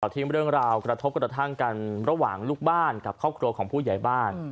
ที่เรื่องราวกระทบกระทั่งกันระหว่างลูกบ้านกับครอบครัวของผู้ใหญ่บ้าน